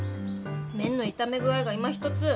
麺の炒め具合がいまひとつ。